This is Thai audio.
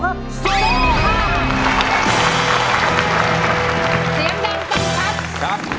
เสียงดังสำคัญ